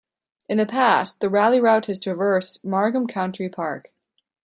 In the past, the rally route has traversed Margam Country Park.